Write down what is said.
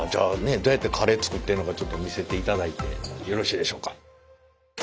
どうやってカレー作ってんのかちょっと見せていただいてよろしいでしょうか？